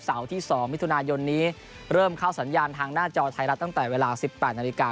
ที่๒มิถุนายนนี้เริ่มเข้าสัญญาณทางหน้าจอไทยรัฐตั้งแต่เวลา๑๘นาฬิกา